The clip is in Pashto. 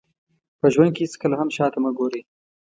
په ژوند کې هېڅکله هم شاته مه ګورئ.